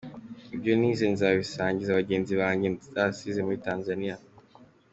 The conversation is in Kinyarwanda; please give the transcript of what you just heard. Ibyo nize nzabisangiza bagenzi banjye nasize muri Tanzania”.